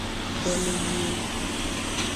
Domenyuie.